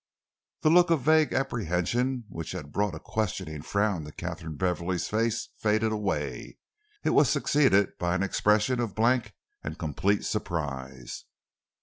The look of vague apprehension which had brought a questioning frown into Katharine Beverley's face faded away. It was succeeded by an expression of blank and complete surprise.